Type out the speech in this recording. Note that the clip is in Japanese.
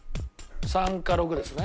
３か６ですね。